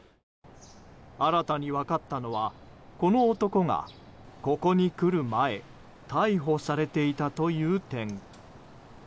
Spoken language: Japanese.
新たに分かったのはこの男がここに来る前逮捕されていたという点。